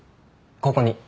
ここに。